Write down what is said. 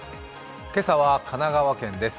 今朝は神奈川県です。